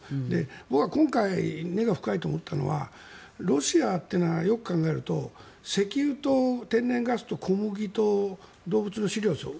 僕が今回、根が深いと思ったのはロシアというのはよく考えると石油と天然ガスと小麦と動物の飼料ですよ。